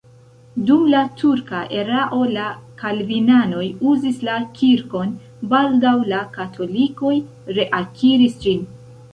Dum la turka erao la kalvinanoj uzis la kirkon, baldaŭ la katolikoj reakiris ĝin.